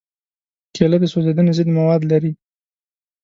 کېله د سوځېدنې ضد مواد لري.